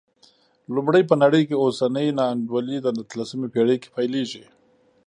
لومړی، په نړۍ کې اوسنۍ نا انډولي د اتلسمې پېړۍ کې پیلېږي.